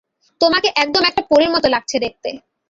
তোমাকে একদম একটা পরীর মতো লাগছে দেখতে!